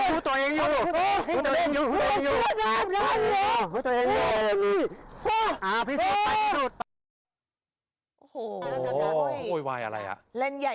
คุณเลยรู้จะอย่างน้อยไหม